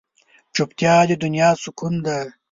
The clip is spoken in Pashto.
چوپتیا، د دنیا سکون دی.